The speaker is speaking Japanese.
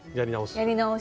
やり直し。